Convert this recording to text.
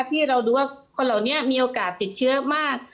ที่เราดูว่าคนเหล่านี้มีโอกาสติดเชื้อมาก